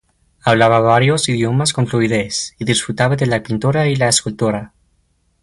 Hablaba varios idiomas con fluidez y disfrutaba de la pintura y la escultura.